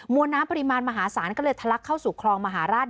วนน้ำปริมาณมหาศาลก็เลยทะลักเข้าสู่คลองมหาราช